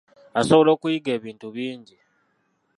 Asobola okuyiga ebintu bingi.